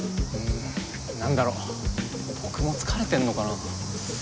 なんだろう僕も疲れてるのかな？